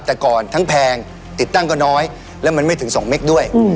แต่ก่อนทั้งแพงติดตั้งก็น้อยแล้วมันไม่ถึง๒เม็ดด้วย